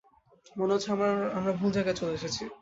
মনে হচ্ছে, আমরা ভুল জায়গায় চলে এসেছি!